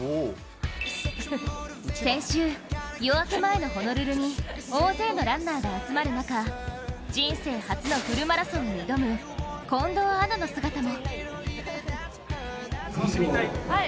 先週、夜明け前のホノルルに大勢のランナーが集まる中、人生初のフルマラソンに挑む近藤アナの姿も。